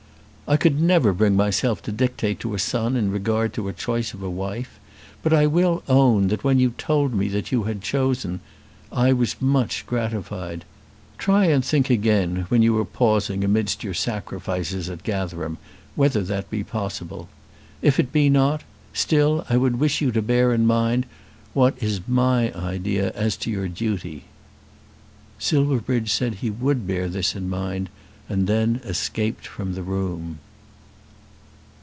"I could never bring myself to dictate to a son in regard to his choice of a wife. But I will own that when you told me that you had chosen I was much gratified. Try and think again when you are pausing amidst your sacrifices at Gatherum, whether that be possible. If it be not, still I would wish you to bear in mind what is my idea as to your duty." Silverbridge said that he would bear this in mind, and then escaped from the room.